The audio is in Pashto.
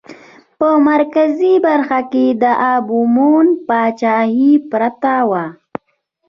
په مرکزي برخه کې د امبون پاچاهي پرته وه.